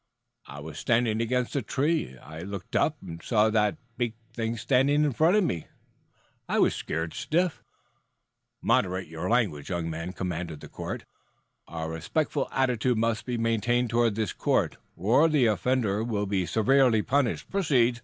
"I was standing against a tree. I looked up and saw that big thing standing in front of me. I was scared stiff " "Moderate your language, young man," commanded the court. "A respectful attitude must be maintained toward this court, or the offender will be severely punished. Proceed."